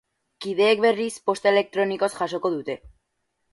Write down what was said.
Kideek, berriz, posta elektronikoz jasoko dute.